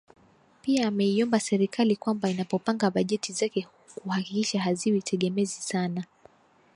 Pia ameiomba Serikali kwamba inapopanga bajeti zake kuhakikisha haziwi tegemezi sana